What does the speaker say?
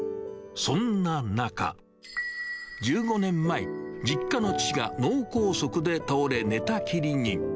そんな中、１５年前、実家の父が脳梗塞で倒れ、寝たきりに。